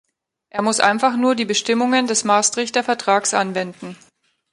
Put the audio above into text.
Er muss einfach nur die Bestimmungen des Maastrichter Vertrags anwenden.